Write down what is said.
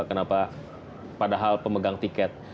kenapa padahal pemegang tiket